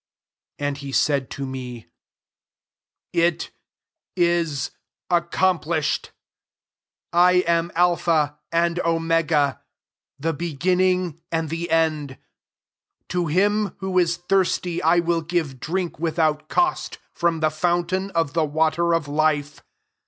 6 And he said to me, "It is accomplished. I am Alpha and Omega, the beginning and the end. To him who is thirsty 1 will give drink without cost from the fountain of the water of life.